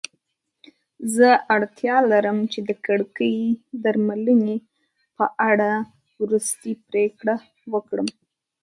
زه اړتیا لرم چې د کړکۍ درملنې په اړه وروستۍ پریکړه وکړم.